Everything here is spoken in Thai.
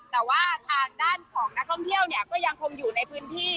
แต่ว่าทางด้านของนักท่องเที่ยวเนี่ยก็ยังคงอยู่ในพื้นที่